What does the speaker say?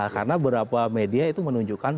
karena beberapa media itu menunjukkan